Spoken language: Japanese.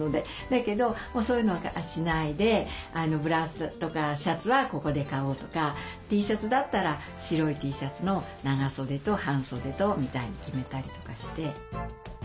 だけどもうそういうのはしないでブラウスとかシャツはここで買おうとかＴシャツだったら白いＴシャツの長袖と半袖とみたいに決めたりとかして。